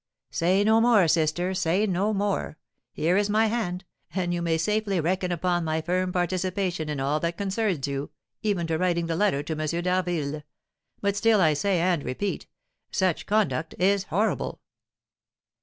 "Say no more, sister, say no more, here is my hand, and you may safely reckon upon my firm participation in all that concerns you, even to writing the letter to M. d'Harville. But still I say, and repeat, such conduct is horrible!"